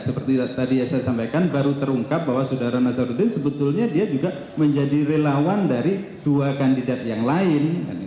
seperti tadi yang saya sampaikan baru terungkap bahwa saudara nazarudin sebetulnya dia juga menjadi relawan dari dua kandidat yang lain